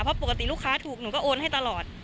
เพราะปกติลูกค้าถูกหนูก็โอนให้ตลอด